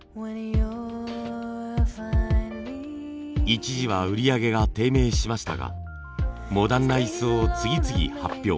一時は売り上げが低迷しましたがモダンな椅子を次々発表。